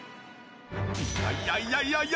いやいやいやいやいや！